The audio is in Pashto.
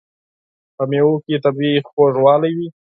په مېوو کې طبیعي خوږوالی وي.